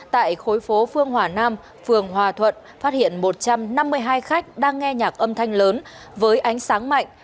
tại khối phố phương hòa nam phường hòa thuận phát hiện một trăm năm mươi hai khách đang nghe nhạc âm thanh lớn với ánh sáng mạnh